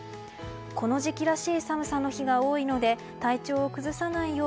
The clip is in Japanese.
この時期らしい寒さの日が多いので体調を崩さないよう